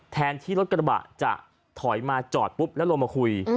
แทนที่รถกระบะจะถอยมาจอดปุ๊บแล้วลงมาคุย